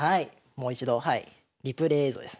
もう一度はいリプレー映像です。